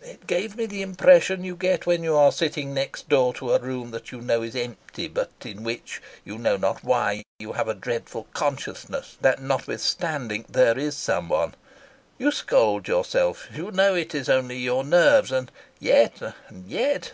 It gave me the impression you get when you are sitting next door to a room that you know is empty, but in which, you know not why, you have a dreadful consciousness that notwithstanding there is someone. You scold yourself; you know it is only your nerves and yet, and yet...